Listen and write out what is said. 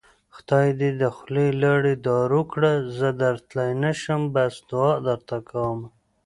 خدای دې د خولې لاړې دارو کړه زه درتلی نشم بس دوعا درته کوومه